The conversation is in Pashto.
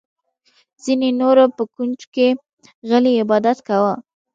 ځینې نورو په کونج کې غلی عبادت کاوه.